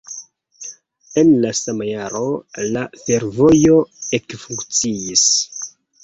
En la sama jaro la fervojo ekfunkciis.